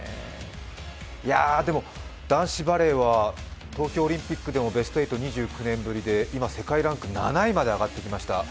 でも、男子バレーは東京オリンピックでもベスト８が２９年ぶりで今、世界ランク７位まで上がってきました。